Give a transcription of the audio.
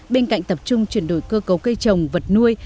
bên cạnh tập trung chuyển đổi cơ cấu cây trồng vật nuôi